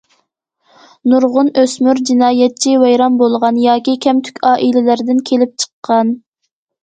نۇرغۇن ئۆسمۈر جىنايەتچى ۋەيران بولغان ياكى كەمتۈك ئائىلىلەردىن كېلىپ چىققان.